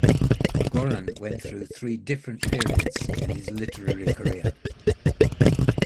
Goran went through three different periods in his literary career.